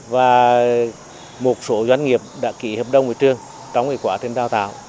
và một số doanh nghiệp đã kỷ hợp đồng với trường trong hệ quả trên đào tạo